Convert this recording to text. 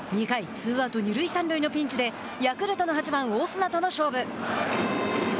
ツーアウト、二塁三塁のピンチでヤクルトの８番オスナとの勝負。